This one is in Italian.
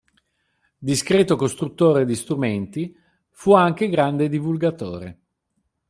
Discreto costruttore di strumenti, fu anche grande divulgatore.